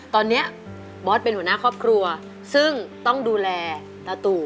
ตอนนี้บอสเป็นหัวหน้าครอบครัวซึ่งต้องดูแลตาตู่